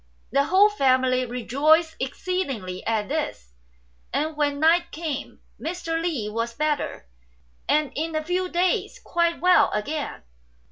The whole family rejoiced exceedingly at this, and, when night came, Mr. Li was better, and in a few days quite well again.